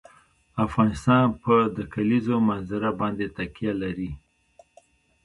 افغانستان په د کلیزو منظره باندې تکیه لري.